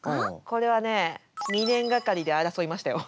これはね２年がかりで争いましたよ。